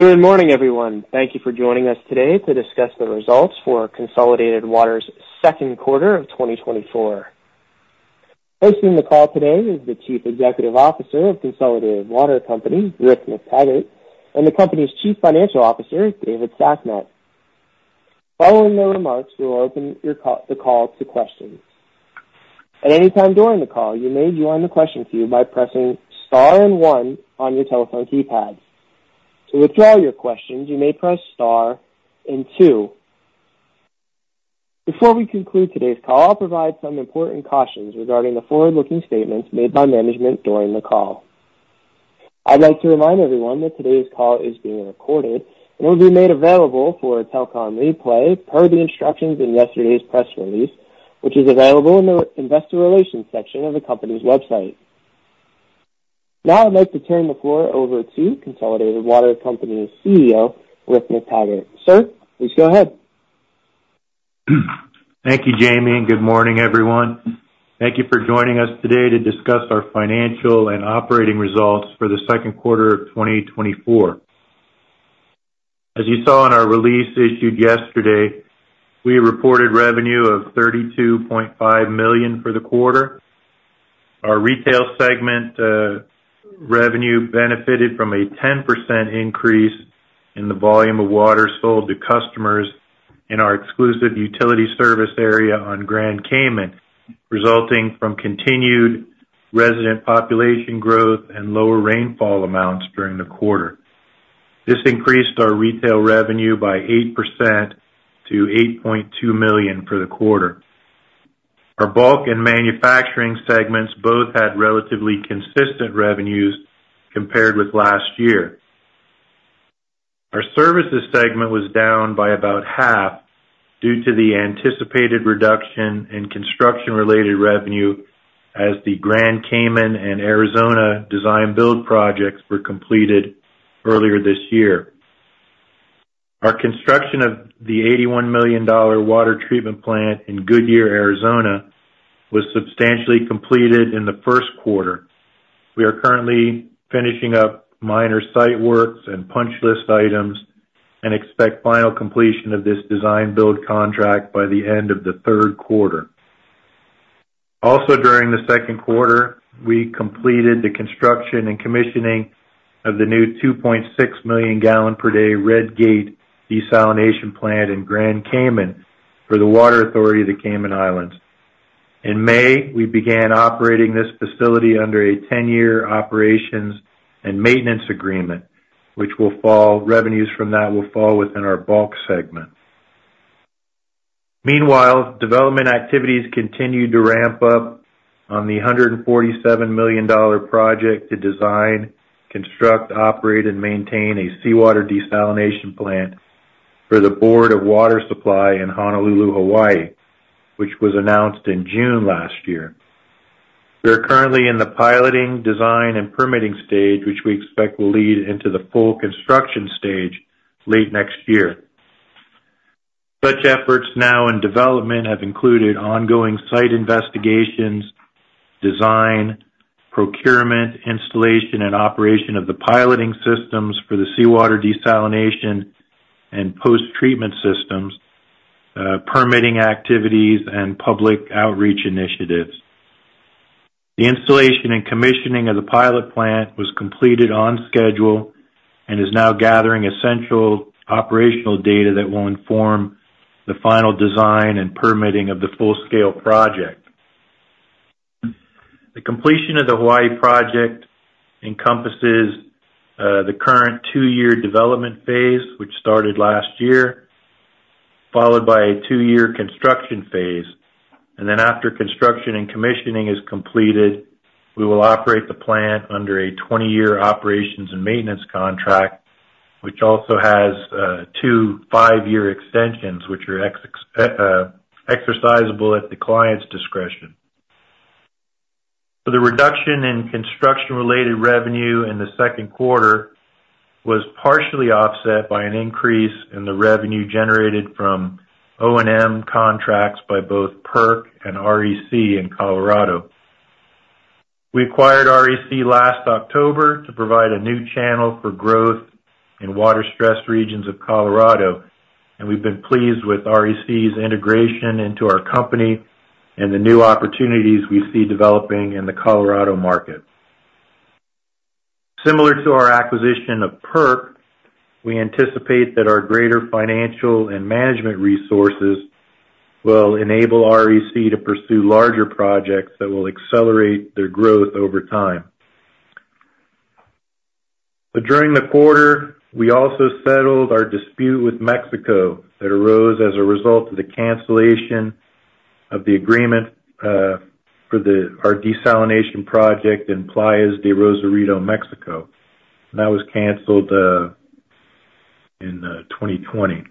Good morning, everyone. Thank you for joining us today to discuss the results for Consolidated Water's second quarter of 2024. Hosting the call today is the Chief Executive Officer of Consolidated Water Co. Ltd., Rick McTaggart, and the company's Chief Financial Officer, David Sasnett. Following the remarks, we will open the call to questions. At any time during the call, you may join the question queue by pressing Star and One on your telephone keypad. To withdraw your questions, you may press Star and Two. Before we conclude today's call, I'll provide some important cautions regarding the forward-looking statements made by management during the call. I'd like to remind everyone that today's call is being recorded and will be made available for telecom replay per the instructions in yesterday's press release, which is available in the Investor Relations section of the company's website. Now I'd like to turn the floor over to Consolidated Water Company's CEO, Rick McTaggart. Sir, please go ahead. Thank you, Jamie, and good morning, everyone. Thank you for joining us today to discuss our financial and operating results for the second quarter of 2024. As you saw in our release issued yesterday, we reported revenue of $32.5 million for the quarter. Our retail segment revenue benefited from a 10% increase in the volume of water sold to customers in our exclusive utility service area on Grand Cayman, resulting from continued resident population growth and lower rainfall amounts during the quarter. This increased our retail revenue by 8% to $8.2 million for the quarter. Our bulk and manufacturing segments both had relatively consistent revenues compared with last year. Our services segment was down by about half due to the anticipated reduction in construction-related revenue as the Grand Cayman and Arizona design build projects were completed earlier this year. Our construction of the $81 million water treatment plant in Goodyear, Arizona, was substantially completed in the first quarter. We are currently finishing up minor site works and punch list items and expect final completion of this design build contract by the end of the third quarter. Also, during the second quarter, we completed the construction and commissioning of the new 2.6 million gallon per day Red Gate Desalination Plant in Grand Cayman for the Water Authority of the Cayman Islands. In May, we began operating this facility under a 10-year operations and maintenance agreement, revenues from that will fall within our bulk segment. Meanwhile, development activities continue to ramp up on the $147 million project to design, construct, operate, and maintain a seawater desalination plant for the Honolulu Board of Water Supply in Honolulu, Hawaii, which was announced in June last year. We are currently in the piloting, design, and permitting stage, which we expect will lead into the full construction stage late next year. Such efforts now in development have included ongoing site investigations, design, procurement, installation, and operation of the piloting systems for the seawater desalination and post-treatment systems, permitting activities, and public outreach initiatives. The installation and commissioning of the pilot plant was completed on schedule and is now gathering essential operational data that will inform the final design and permitting of the full-scale project. The completion of the Hawaii project encompasses the current 2-year development phase, which started last year, followed by a 2-year construction phase, and then after construction and commissioning is completed, we will operate the plant under a 20-year operations and maintenance contract, which also has two 5-year extensions, which are exercisable at the client's discretion. So the reduction in construction-related revenue in the second quarter was partially offset by an increase in the revenue generated from O&M contracts by both PERC and REC in Colorado. We acquired REC last October to provide a new channel for growth in water-stressed regions of Colorado, and we've been pleased with REC's integration into our company and the new opportunities we see developing in the Colorado market. Similar to our acquisition of PERC, we anticipate that our greater financial and management resources will enable REC to pursue larger projects that will accelerate their growth over time. But during the quarter, we also settled our dispute with Mexico that arose as a result of the cancellation of the agreement, for our desalination project in Playas de Rosarito, Mexico, and that was canceled in 2020.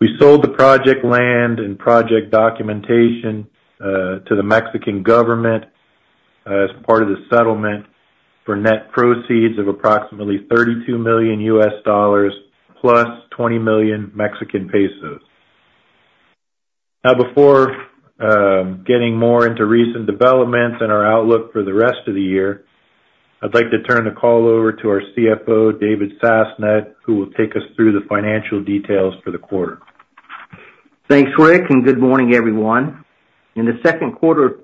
We sold the project land and project documentation to the Mexican government as part of the settlement for net proceeds of approximately $32 million plus MXN 20 million. Now, before getting more into recent developments and our outlook for the rest of the year, I'd like to turn the call over to our CFO, David Sasnett, who will take us through the financial details for the quarter. Thanks, Rick, and good morning, everyone. In the second quarter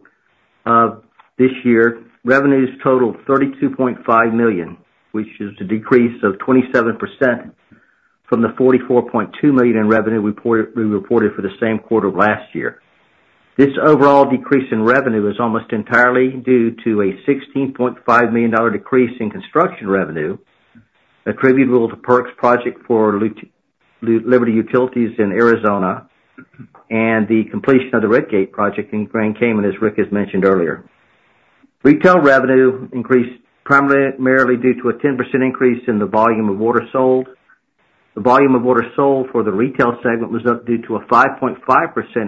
of this year, revenues totaled $32.5 million, which is a decrease of 27% from the $44.2 million in revenue reported, we reported for the same quarter last year. This overall decrease in revenue is almost entirely due to a $16.5 million decrease in construction revenue, attributable to PERC project for Liberty Utilities in Arizona, and the completion of the Red Gate project in Grand Cayman, as Rick has mentioned earlier. Retail revenue increased primarily due to a 10% increase in the volume of water sold. The volume of water sold for the retail segment was up due to a 5.5%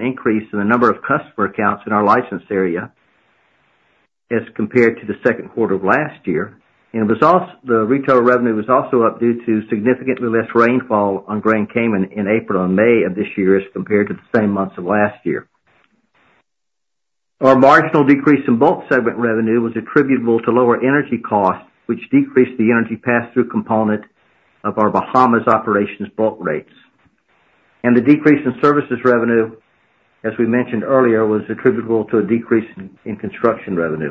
increase in the number of customer accounts in our license area as compared to the second quarter of last year. And the retail revenue was also up due to significantly less rainfall on Grand Cayman in April and May of this year as compared to the same months of last year. Our marginal decrease in bulk segment revenue was attributable to lower energy costs, which decreased the energy pass-through component of our Bahamas operations bulk rates. And the decrease in services revenue, as we mentioned earlier, was attributable to a decrease in construction revenue.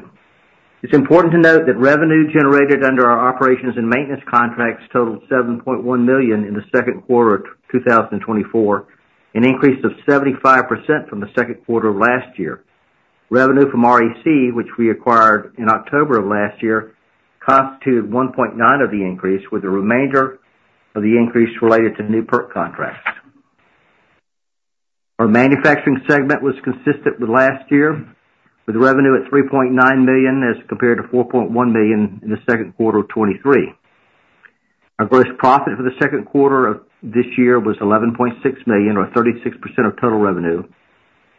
It's important to note that revenue generated under our operations and maintenance contracts totaled $7.1 million in the second quarter of 2024, an increase of 75% from the second quarter of last year. Revenue from REC, which we acquired in October of last year, constituted $1.9 million of the increase, with the remainder of the increase related to new PERC contracts. Our manufacturing segment was consistent with last year, with revenue at $3.9 million as compared to $4.1 million in the second quarter of 2023. Our gross profit for the second quarter of this year was $11.6 million, or 36% of total revenue,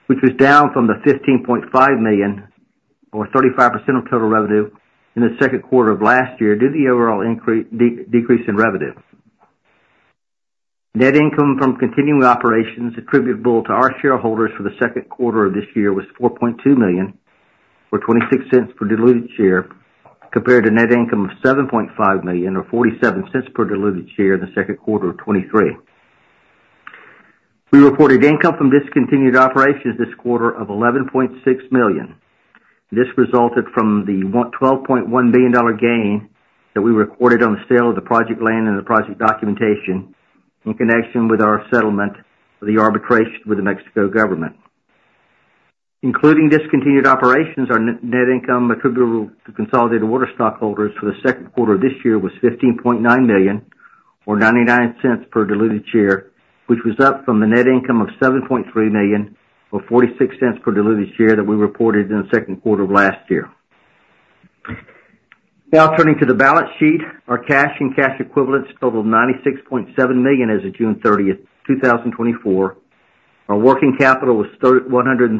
which was down from the $15.5 million, or 35% of total revenue, in the second quarter of last year due to the overall decrease in revenue. Net income from continuing operations attributable to our shareholders for the second quarter of this year was $4.2 million, or $0.26 per diluted share, compared to net income of $7.5 million, or $0.47 per diluted share in the second quarter of 2023. We reported income from discontinued operations this quarter of $11.6 million. This resulted from the $112.1 billion gain that we recorded on the sale of the project land and the project documentation in connection with our settlement for the arbitration with the Mexican government. Including discontinued operations, our net income attributable to Consolidated Water stockholders for the second quarter of this year was $15.9 million, or $0.99 per diluted share, which was up from the net income of $7.3 million, or $0.46 per diluted share that we reported in the second quarter of last year. Now, turning to the balance sheet. Our cash and cash equivalents totaled $96.7 million as of June 30, 2024. Our working capital was $131.2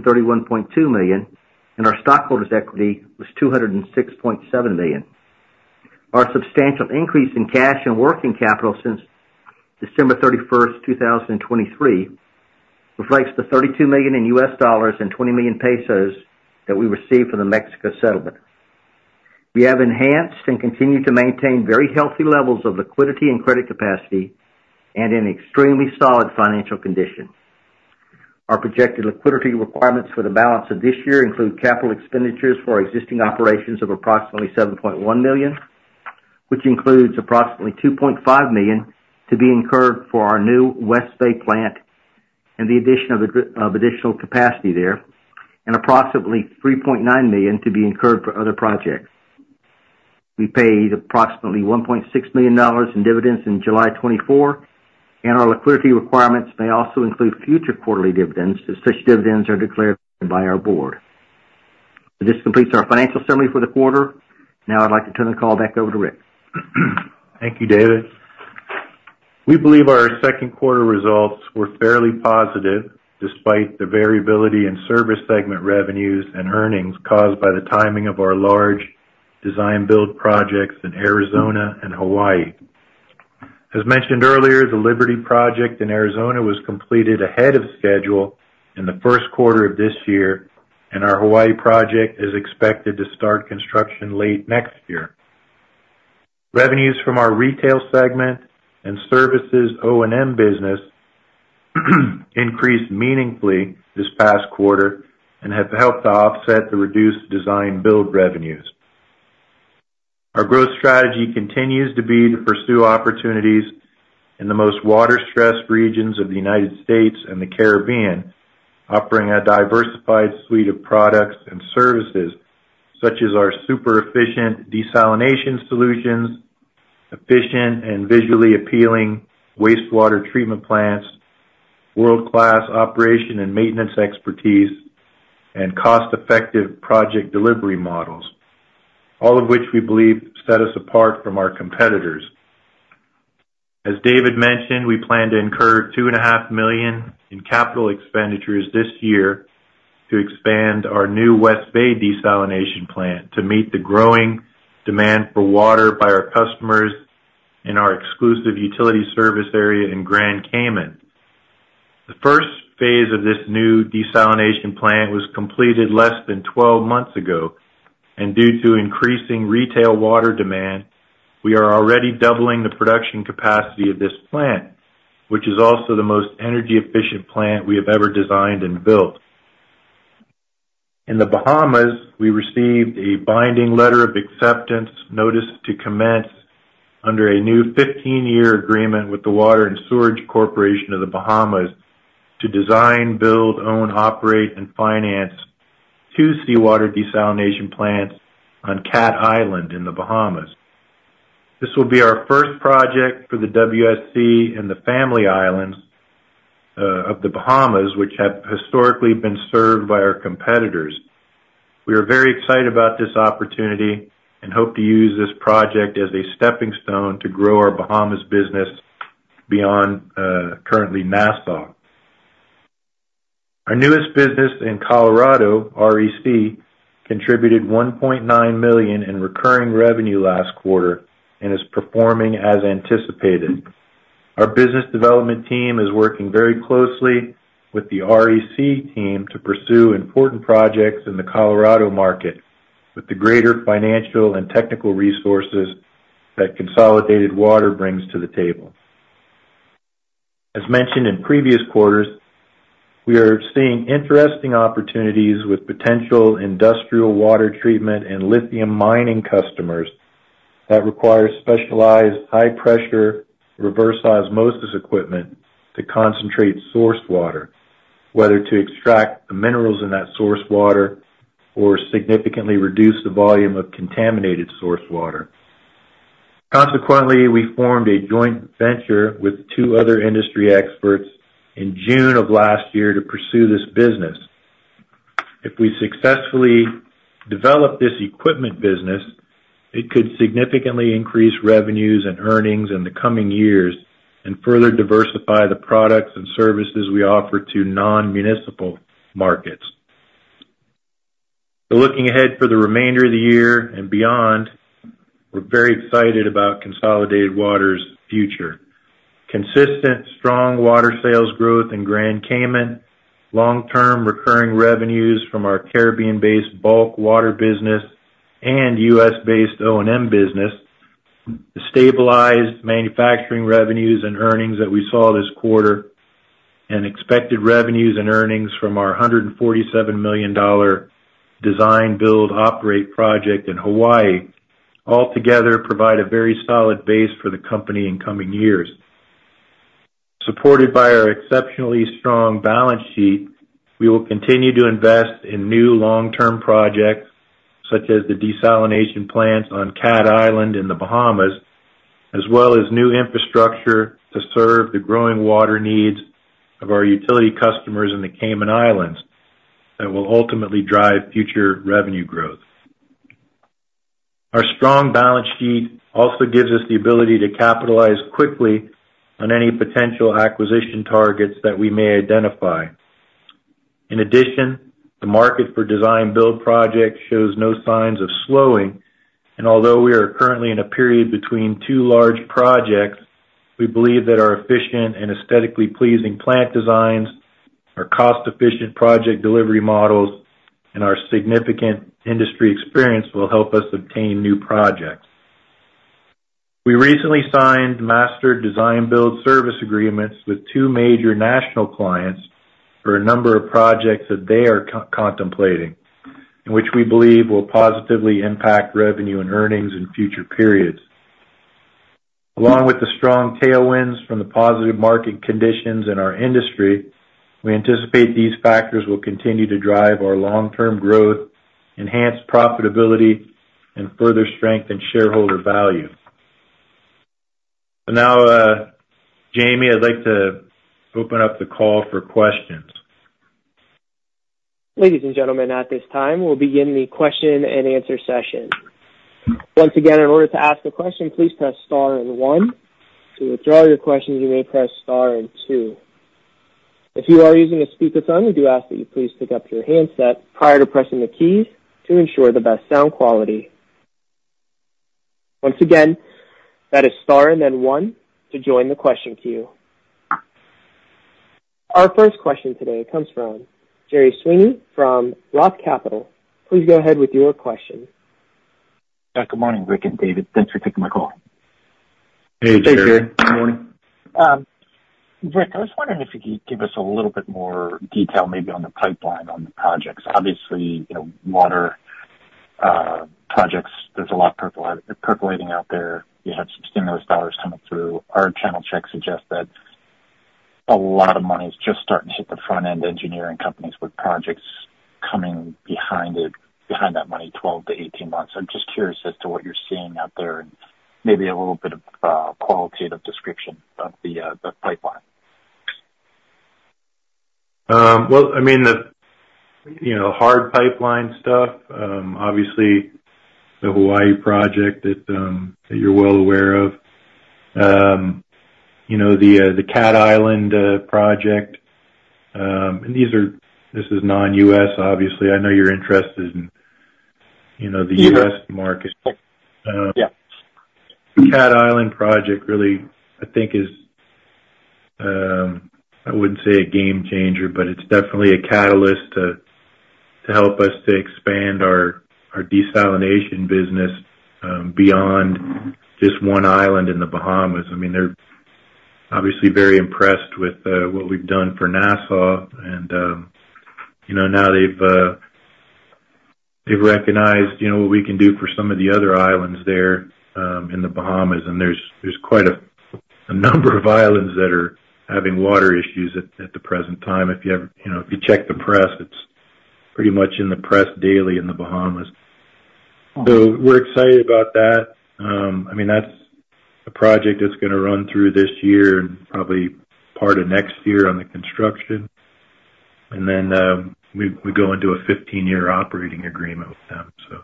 million, and our stockholders' equity was $206.7 million. Our substantial increase in cash and working capital since December 31, 2023, reflects the $32 million and MXN 20 million that we received from the Mexico settlement. We have enhanced and continue to maintain very healthy levels of liquidity and credit capacity and in extremely solid financial condition. Our projected liquidity requirements for the balance of this year include capital expenditures for existing operations of approximately $7.1 million, which includes approximately $2.5 million to be incurred for our new West Bay plant and the addition of additional capacity there, and approximately $3.9 million to be incurred for other projects. We paid approximately $1.6 million in July 2024, and our liquidity requirements may also include future quarterly dividends, as such dividends are declared by our board. This completes our financial summary for the quarter. Now, I'd like to turn the call back over to Rick. Thank you, David. We believe our second quarter results were fairly positive, despite the variability in service segment revenues and earnings caused by the timing of our large design build projects in Arizona and Hawaii. As mentioned earlier, the Liberty Project in Arizona was completed ahead of schedule in the first quarter of this year, and our Hawaii project is expected to start construction late next year. Revenues from our retail segment and services O&M business increased meaningfully this past quarter and have helped to offset the reduced design build revenues. Our growth strategy continues to be to pursue opportunities in the most water-stressed regions of the United States and the Caribbean, offering a diversified suite of products and services, such as our super efficient desalination solutions, efficient and visually appealing wastewater treatment plants, world-class operation and maintenance expertise, and cost-effective project delivery models, all of which we believe set us apart from our competitors. As David mentioned, we plan to incur $2.5 million in capital expenditures this year to expand our new West Bay Desalination Plant to meet the growing demand for water by our customers, in our exclusive utility service area in Grand Cayman. The first phase of this new desalination plant was completed less than 12 months ago, and due to increasing retail water demand, we are already doubling the production capacity of this plant, which is also the most energy-efficient plant we have ever designed and built. In the Bahamas, we received a binding letter of acceptance notice to commence under a new 15-year agreement with the Water and Sewerage Corporation of the Bahamas to design, build, own, operate, and finance two seawater desalination plants on Cat Island in the Bahamas. This will be our first project for the WSC in the Family Islands of the Bahamas, which have historically been served by our competitors. We are very excited about this opportunity and hope to use this project as a stepping stone to grow our Bahamas business beyond currently Nassau. Our newest business in Colorado, REC, contributed $1.9 million in recurring revenue last quarter and is performing as anticipated. Our business development team is working very closely with the REC team to pursue important projects in the Colorado market with the greater financial and technical resources that Consolidated Water brings to the table. As mentioned in previous quarters, we are seeing interesting opportunities with potential industrial water treatment and lithium mining customers that require specialized, high-pressure reverse osmosis equipment to concentrate source water, whether to extract the minerals in that source water or significantly reduce the volume of contaminated source water. Consequently, we formed a joint venture with two other industry experts in June of last year to pursue this business. If we successfully develop this equipment business, it could significantly increase revenues and earnings in the coming years and further diversify the products and services we offer to non-municipal markets. So looking ahead for the remainder of the year and beyond, we're very excited about Consolidated Water's future. Consistent, strong water sales growth in Grand Cayman, long-term recurring revenues from our Caribbean-based bulk water business and U.S.-based O&M business, stabilized manufacturing revenues and earnings that we saw this quarter, and expected revenues and earnings from our $147 million design, build, operate project in Hawaii altogether provide a very solid base for the company in coming years. Supported by our exceptionally strong balance sheet, we will continue to invest in new long-term projects, such as the desalination plants on Cat Island in the Bahamas, as well as new infrastructure to serve the growing water needs of our utility customers in the Cayman Islands that will ultimately drive future revenue growth. Our strong balance sheet also gives us the ability to capitalize quickly on any potential acquisition targets that we may identify. In addition, the market for design build projects shows no signs of slowing, and although we are currently in a period between two large projects, we believe that our efficient and aesthetically pleasing plant designs, our cost-efficient project delivery models, and our significant industry experience will help us obtain new projects. We recently signed master design build service agreements with two major national clients for a number of projects that they are contemplating, and which we believe will positively impact revenue and earnings in future periods. Along with the strong tailwinds from the positive market conditions in our industry, we anticipate these factors will continue to drive our long-term growth, enhance profitability, and further strengthen shareholder value. So now, Jamie, I'd like to open up the call for questions. Ladies and gentlemen, at this time, we'll begin the question and answer session. Once again, in order to ask a question, please press star and one. To withdraw your question, you may press star and two. If you are using a speakerphone, we do ask that you please pick up your handset prior to pressing the key to ensure the best sound quality. Once again, that is star and then one to join the question queue. Our first question today comes from Gerry Sweeney from Roth Capital. Please go ahead with your question. Yeah, good morning, Rick and David. Thanks for taking my call. Hey, Jerry. Hey, Gerry. Good morning. Rick, I was wondering if you could give us a little bit more detail, maybe on the pipeline, on the projects. Obviously, you know, water projects, there's a lot percolating out there. You have some stimulus dollars coming through. Our channel checks suggest that a lot of money is just starting to hit the front-end engineering companies, with projects coming behind it, behind that money, 12-18 months. I'm just curious as to what you're seeing out there and maybe a little bit of qualitative description of the pipeline. Well, I mean, the, you know, hard pipeline stuff, obviously the Hawaii project that that you're well aware of. You know, the, the Cat Island project, and these are - this is non-U.S., obviously. I know you're interested in-... you know, the U.S. market. Yeah. Cat Island project really, I think, is, I wouldn't say a game changer, but it's definitely a catalyst to help us to expand our desalination business, beyond just one island in the Bahamas. I mean, they're obviously very impressed with what we've done for Nassau, and, you know, now they've recognized, you know, what we can do for some of the other islands there, in the Bahamas. And there's quite a number of islands that are having water issues at the present time. If you check the press, it's pretty much in the press daily in the Bahamas. So we're excited about that. I mean, that's a project that's gonna run through this year and probably part of next year on the construction. And then, we go into a 15-year operating agreement with them, so.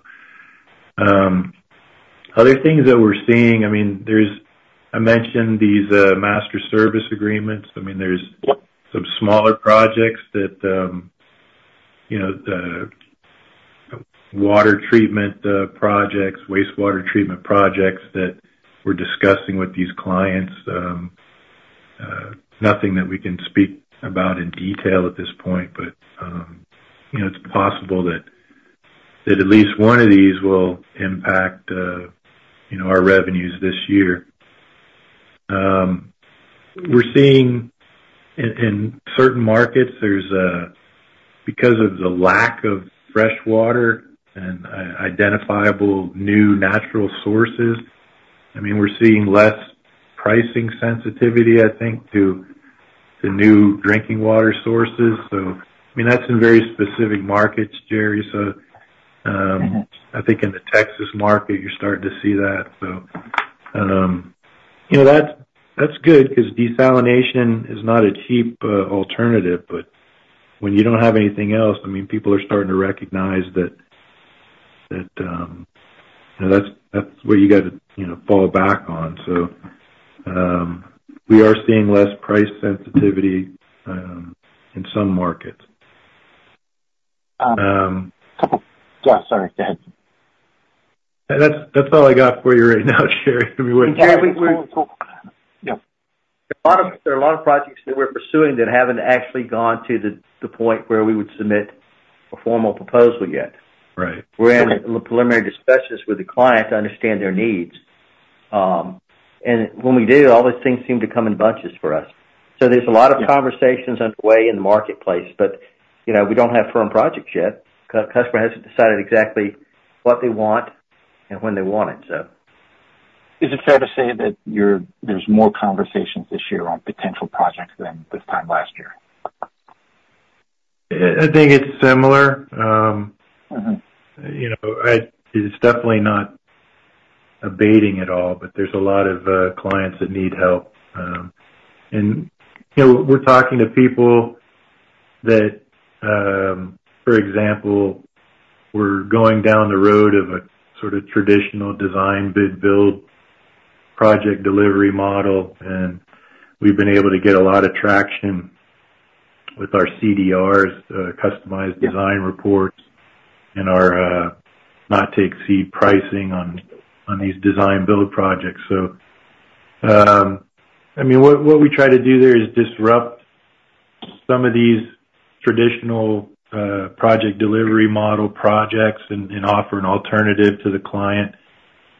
Other things that we're seeing, I mean, there's- I mentioned these master service agreements. I mean, there's some smaller projects that, you know, the water treatment projects, wastewater treatment projects that we're discussing with these clients. Nothing that we can speak about in detail at this point, but, you know, it's possible that, at least one of these will impact, you know, our revenues this year. We're seeing in certain markets, there's a-- because of the lack of fresh water and identifiable new natural sources, I mean, we're seeing less pricing sensitivity, I think, to the new drinking water sources. So, I mean, that's in very specific markets, Gerry. So, Mm-hmm. I think in the Texas market, you're starting to see that. So, you know, that's good because desalination is not a cheap alternative, but when you don't have anything else, I mean, people are starting to recognize that, you know, that's where you got to fall back on. So, we are seeing less price sensitivity in some markets. Yeah, sorry, go ahead. That's, that's all I got for you right now, Gerry. We- Yeah, we- Yeah. There are a lot of projects that we're pursuing that haven't actually gone to the, the point where we would submit a formal proposal yet. Right. We're in the preliminary discussions with the client to understand their needs. And when we do, all those things seem to come in bunches for us. So there's a lot of conversations underway in the marketplace, but, you know, we don't have firm projects yet. Customer hasn't decided exactly what they want and when they want it, so. Is it fair to say that there's more conversations this year on potential projects than this time last year? I think it's similar. Mm-hmm. You know, it's definitely not abating at all, but there's a lot of clients that need help. You know, we're talking to people that, for example, we're going down the road of a sort of traditional Design-Bid-Build project delivery model, and we've been able to get a lot of traction with our CDRs, customized design reports, and our not-to-exceed pricing on these design-build projects. So, I mean, what we try to do there is disrupt some of these traditional project delivery model projects and offer an alternative to the client.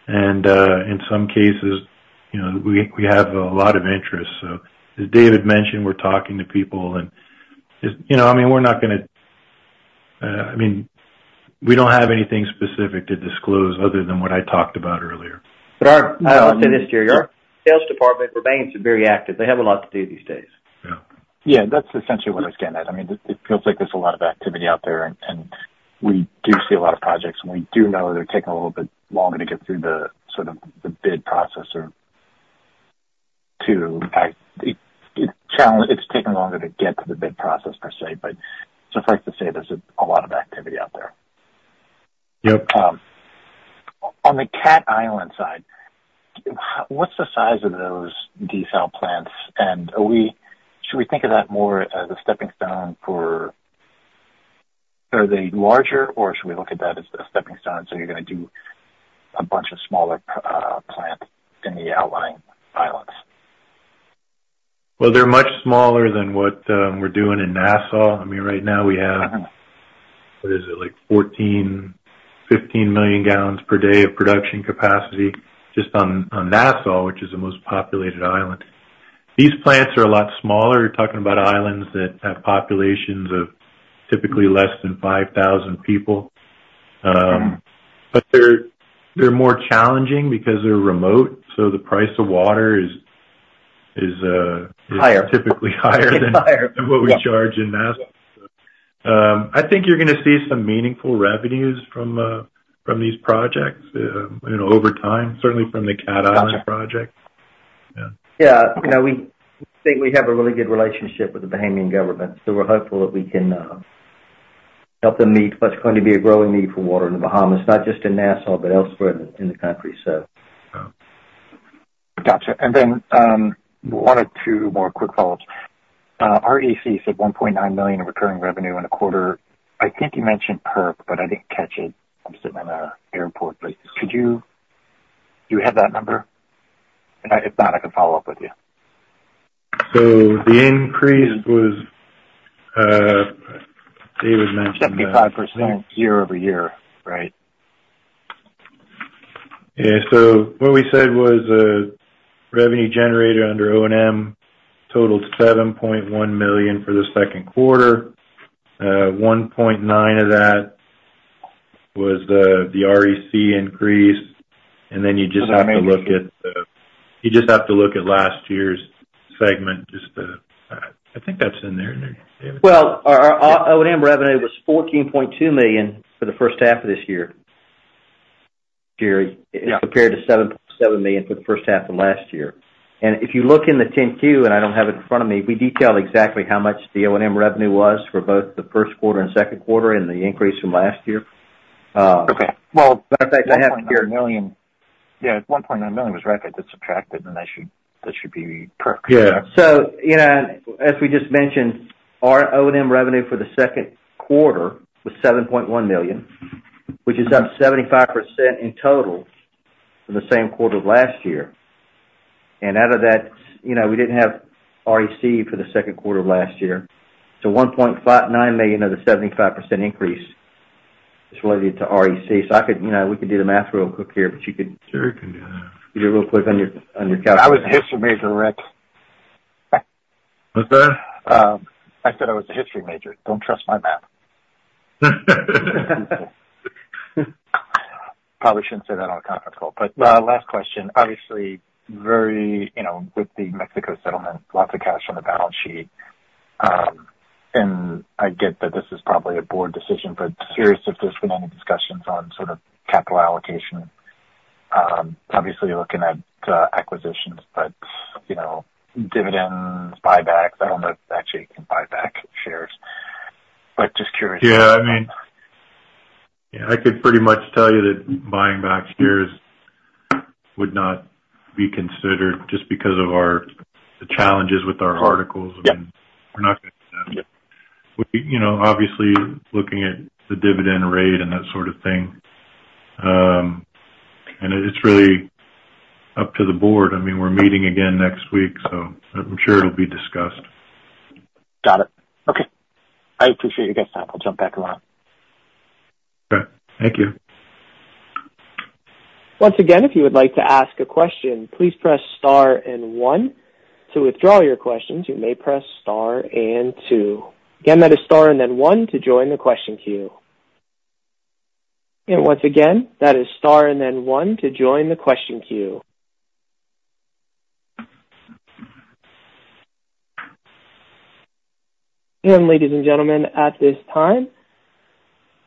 And, in some cases, you know, we have a lot of interest. As David mentioned, we're talking to people and, you know, I mean, we're not gonna, I mean, we don't have anything specific to disclose other than what I talked about earlier. But I'll say this, Gerry, our sales department remains very active. They have a lot to do these days. Yeah. Yeah, that's essentially what I was getting at. I mean, it feels like there's a lot of activity out there, and we do see a lot of projects, and we do know they're taking a little bit longer to get through the, sort of, the bid process or to act. It's taking longer to get to the bid process per se, but it's safe to say there's a lot of activity out there. Yep. On the Cat Island side, what's the size of those desal plants, and should we think of that more as a stepping stone for... Are they larger, or should we look at that as a stepping stone, so you're gonna do a bunch of smaller plants in the outlying islands? Well, they're much smaller than what we're doing in Nassau. I mean, right now we have- Mm-hmm. What is it? Like 14, 15 million gallons per day of production capacity just on, on Nassau, which is the most populated island. These plants are a lot smaller. You're talking about islands that have populations of typically less than 5,000 people. But they're, they're more challenging because they're remote, so the price of water is, is Higher. typically higher Higher. -than what we charge in Nassau. I think you're gonna see some meaningful revenues from these projects, you know, over time, certainly from the Cat Island project. Gotcha. Yeah. Yeah, you know, we think we have a really good relationship with the Bahamian government, so we're hopeful that we can help them meet what's going to be a growing need for water in the Bahamas, not just in Nassau, but elsewhere in the country, so.... Gotcha. And then, one or two more quick follows. REC said $1.9 million in recurring revenue in a quarter. I think you mentioned PERC, but I didn't catch it. I'm sitting in an airport, but could you - do you have that number? If not, I can follow up with you. The increase was, Dave was mentioning- 75% year-over-year, right? Yeah. So what we said was, revenue generated under O&M totaled $7.1 million for the second quarter. One point nine of that was the REC increase. And then you just have to look at last year's segment, just the, I think that's in there, isn't it? Well, our O&M revenue was $14.2 million for the first half of this year, Gerry. Yeah. Compared to $7.7 million for the first half of last year. If you look in the 10-Q, and I don't have it in front of me, we detailed exactly how much the O&M revenue was for both the first quarter and second quarter and the increase from last year. Okay. Well, I have here- Million. Yeah, $1.9 million was right. That's subtracted, and that should be PERC. Yeah. So, you know, as we just mentioned, our O&M revenue for the second quarter was $7.1 million, which is up 75% in total from the same quarter of last year. And out of that, you know, we didn't have REC for the second quarter of last year. So $1.59 million of the 75% increase is related to REC. So I could, you know, we could do the math real quick here, but you could- Gerry can do that. Do it real quick on your calculator. I was a history major, Rick. What's that? I said I was a history major. Don't trust my math. Probably shouldn't say that on a conference call. But last question, obviously very, you know, with the Mexico settlement, lots of cash on the balance sheet. And I get that this is probably a board decision, but curious if there's been any discussions on sort of capital allocation. Obviously you're looking at acquisitions, but, you know, dividends, buybacks, I don't know if actually you can buy back shares, but just curious. Yeah, I mean, yeah, I could pretty much tell you that buying back shares would not be considered just because of our, the challenges with our articles. Yeah. We're not going to do that. Yeah. We, you know, obviously, looking at the dividend rate and that sort of thing, and it's really up to the board. I mean, we're meeting again next week, so I'm sure it'll be discussed. Got it. Okay. I appreciate your guys' time. I'll jump back around. Okay. Thank you. Once again, if you would like to ask a question, please press star and one. To withdraw your questions, you may press star and two. Again, that is star and then one to join the question queue. And once again, that is star and then one to join the question queue. And ladies and gentlemen, at this time,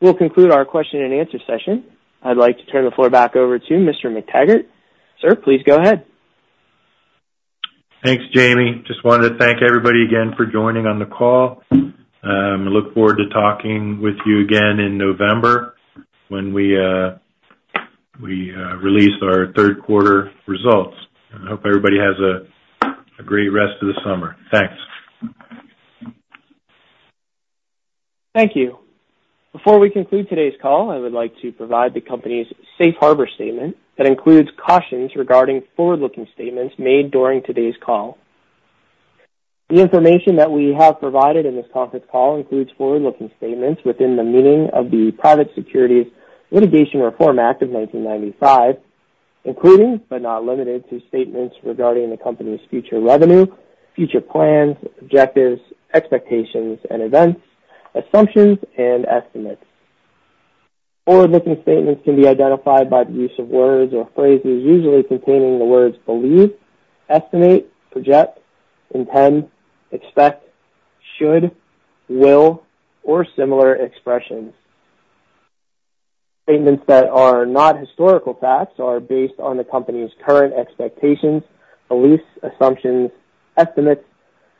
we'll conclude our question and answer session. I'd like to turn the floor back over to Mr. McTaggart. Sir, please go ahead. Thanks, Jamie. Just wanted to thank everybody again for joining on the call. I look forward to talking with you again in November when we release our third quarter results. I hope everybody has a great rest of the summer. Thanks. Thank you. Before we conclude today's call, I would like to provide the company's Safe Harbor statement that includes cautions regarding forward-looking statements made during today's call. The information that we have provided in this conference call includes forward-looking statements within the meaning of the Private Securities Litigation Reform Act of 1995, including, but not limited to, statements regarding the company's future revenue, future plans, objectives, expectations and events, assumptions, and estimates. Forward-looking statements can be identified by the use of words or phrases, usually containing the words believe, estimate, project, intend, expect, should, will, or similar expressions. Statements that are not historical facts are based on the company's current expectations, beliefs, assumptions, estimates,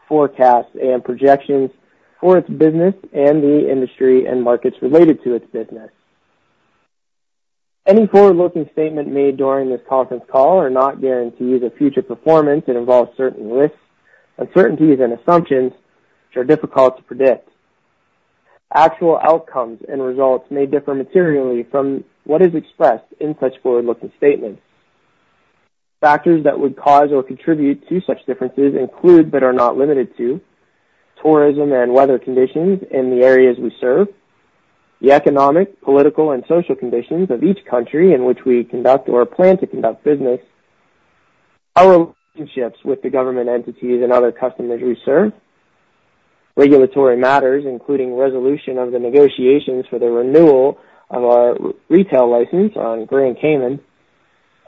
forecasts, and projections for its business and the industry and markets related to its business. Any forward-looking statement made during this conference call are not guarantees of future performance and involve certain risks, uncertainties, and assumptions, which are difficult to predict. Actual outcomes and results may differ materially from what is expressed in such forward-looking statements. Factors that would cause or contribute to such differences include, but are not limited to, tourism and weather conditions in the areas we serve; the economic, political, and social conditions of each country in which we conduct or plan to conduct business; our relationships with the government entities and other customers we serve; regulatory matters, including resolution of the negotiations for the renewal of our retail license on Grand Cayman;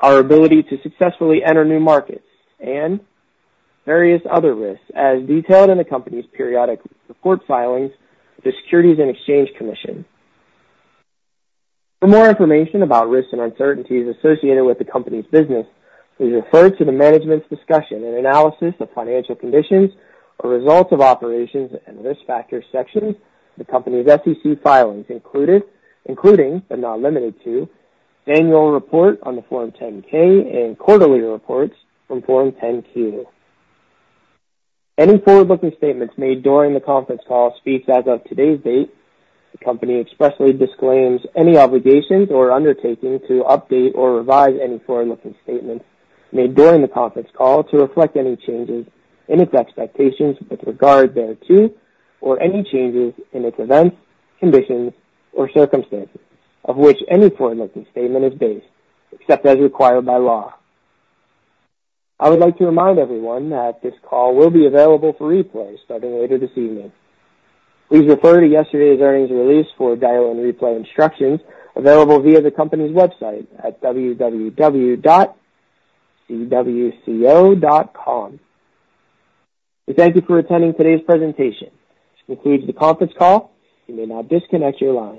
our ability to successfully enter new markets; and various other risks, as detailed in the company's periodic report filings with the Securities and Exchange Commission. For more information about risks and uncertainties associated with the company's business, please refer to the management's discussion and analysis of financial conditions, or results of operations and the risk factors section of the company's SEC filings, including, but not limited to, annual report on the Form 10-K and quarterly reports on Form 10-Q. Any forward-looking statements made during the conference call speaks as of today's date. The company expressly disclaims any obligations or undertaking to update or revise any forward-looking statements made during the conference call to reflect any changes in its expectations with regard thereto, or any changes in its events, conditions, or circumstances, of which any forward-looking statement is based, except as required by law. I would like to remind everyone that this call will be available for replay starting later this evening. Please refer to yesterday's earnings release for dial-in replay instructions available via the company's website at www.cwco.com. We thank you for attending today's presentation. This concludes the conference call. You may now disconnect your line.